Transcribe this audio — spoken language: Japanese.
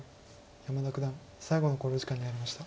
山田九段最後の考慮時間に入りました。